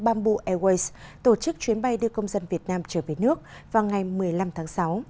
bamboo airways tổ chức chuyến bay đưa công dân việt nam trở về nước vào ngày một mươi năm tháng sáu